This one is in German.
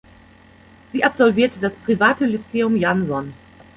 Sie absolvierte das private "Lyzeum Janson".